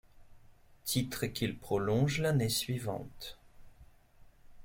Titre qu'il prolonge l'année suivante.